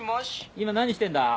今何してんだ？